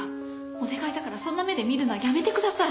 お願いだからそんな目で見るのはやめてください。